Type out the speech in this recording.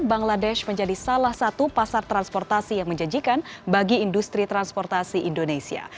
bangladesh menjadi salah satu pasar transportasi yang menjanjikan bagi industri transportasi indonesia